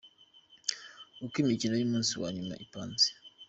Uko imikino y’umunsi wa nyuma ipanze:.